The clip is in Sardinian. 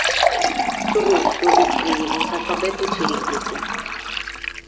Su russu si iscriet cun s’alfabetu tzirìllicu.